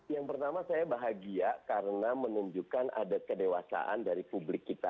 yang pertama saya bahagia karena menunjukkan ada kedewasaan dari publik kita